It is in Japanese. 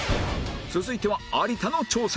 続いては有田の挑戦